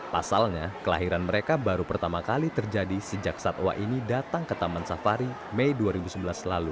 pasalnya kelahiran mereka baru pertama kali terjadi sejak satwa ini datang ke taman safari mei dua ribu sebelas lalu